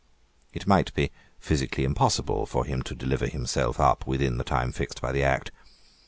It might be physically impossible for him to deliver himself up within the time fixed by the Act.